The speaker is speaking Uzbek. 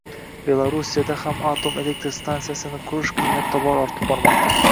Belorussiyada ham atom elektr stantsiyasini qurish qiymati tobora ortib bormoqda